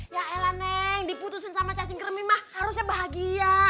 ya elah neng diputusin sama cacing kremi ma harusnya bahagia